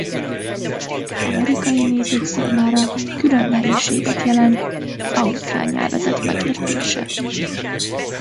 Az amerikai nézők számára külön nehézséget jelent az ausztrál nyelvezet megértése.